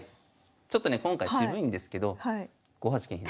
ちょっとね今回渋いんですけど５八金左。